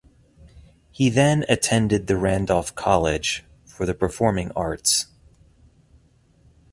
He then attended the Randolph College for the Performing Arts.